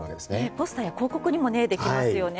ポスターや広告にもできますね。